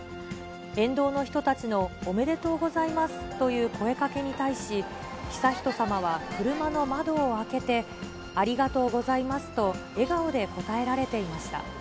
沿道の人たちのおめでとうございますという声がけに対し、悠仁さまは車の窓を開けて、ありがとうございますと、笑顔で応えられていました。